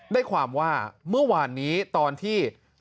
ได้ความว่าเมื่อวานนี้ตอนที่